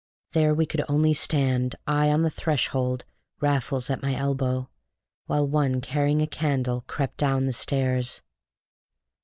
There we could only stand, I on the threshold, Raffles at my elbow, while one carrying a candle crept down the stairs.